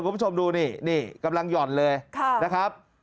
คุณผู้ชมดูนี่นี่กำลังหย่อนเลยนะครับ